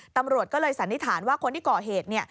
ตำรวจก็เลยสันนิษฐานว่าคนที่ก่อเหตุ